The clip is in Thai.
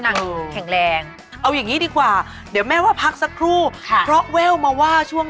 นักเรียนนักเรียนนนักเรียนน